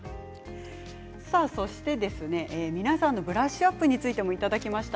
皆さんのブラッシュアップについてもいただきました。